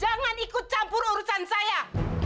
jangan ikut campur urusan saya